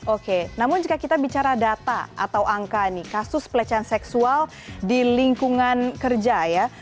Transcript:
oke namun jika kita bicara data atau angka kasus pelecehan seksual di lingkungan kerja ya